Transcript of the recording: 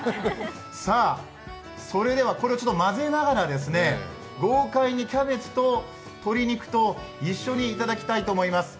さぁ、それではこれをちょっと混ぜながら豪快にキャベツと鶏肉と一緒にいただきたいと思います。